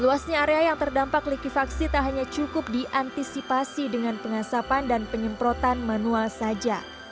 luasnya area yang terdampak likuifaksi tak hanya cukup diantisipasi dengan pengasapan dan penyemprotan manual saja